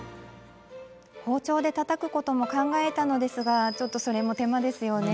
包丁でたたくこともちょっと考えたのですがそれは手間ですよね。